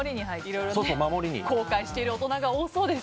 後悔している大人が多そうです。